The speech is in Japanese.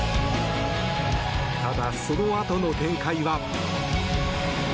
ただ、そのあとの展開は。